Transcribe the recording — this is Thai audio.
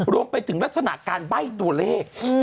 รวมไปถึงลักษณะการใบ้ตัวเลข